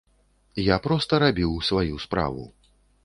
Я проста рабіў сваю справу.